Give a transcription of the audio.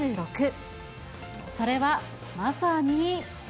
それはまさに。